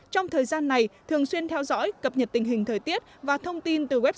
trong thời gian này thường xuyên theo dõi cập nhật tình hình thời tiết và thông tin từ website